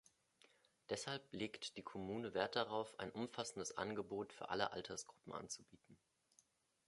Deshalb legt die Kommune Wert darauf, ein umfassendes Angebot für alle Altersgruppen anzubieten.